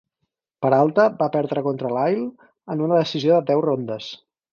Peralta va perdre contra Lyle en una decisió de deu rondes.